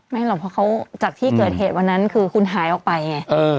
หรอกเพราะเขาจากที่เกิดเหตุวันนั้นคือคุณหายออกไปไง